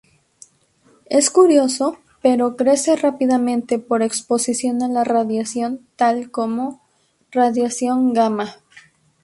Es curioso, pero crece rápidamente por exposición a la radiación tal como radiación gamma.